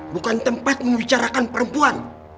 bukan tempat membicarakan perempuan